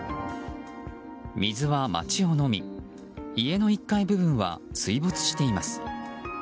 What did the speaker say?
水は街をのみ家の１階部分は水没しています。